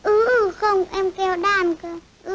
ừ không em kéo đàn cơ